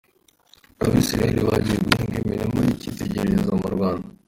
Abisiraheli bagiye guhinga imirima y’icyitegererezo mu Rwanda.